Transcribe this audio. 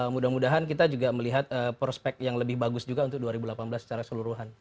mudah mudahan kita juga melihat prospek yang lebih bagus juga untuk dua ribu delapan belas secara seluruhan